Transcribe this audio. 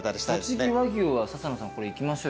とちぎ和牛は笹野さんこれいきましょうよ。